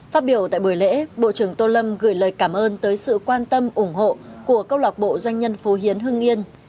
phát biểu tại buổi lễ bộ trưởng tô lâm gửi lời cảm ơn tới sự quan tâm ủng hộ của công lọc bộ doanh nhân phú hiến hương yên